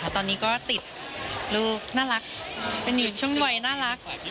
ตอนนี้ก็ติดลูกน่ารักเป็นอยู่ในช่วงวัยน่ารัก